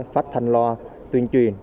phát thanh loa tuyên truyền